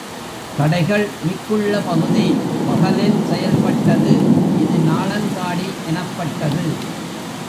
கடைகள் மிக்குள்ள பகுதி, பகலில் செயல்பட்டது இது நாளங்காடி எனப்பட்டது.